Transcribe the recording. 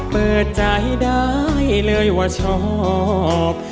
เปิดใจได้เลยว่าชอบ